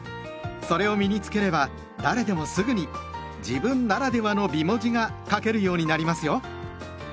それを身に付ければ誰でもすぐに「自分ならではの美文字」が書けるようになりますよ。